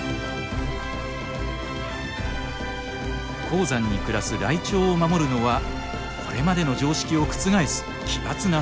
高山に暮らすライチョウを守るのはこれまでの常識を覆す奇抜な作戦。